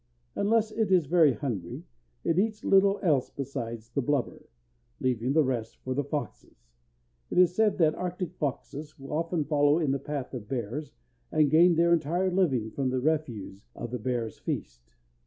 Unless it is very hungry, it eats little besides the blubber, leaving the rest for the foxes. It is said that arctic foxes often follow in the path of bears, and gain their entire living from the refuse of the bear's feast.